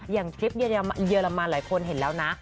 ทริปเยอรมันหลายคนเห็นแล้วนะ